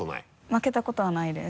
負けたことはないです。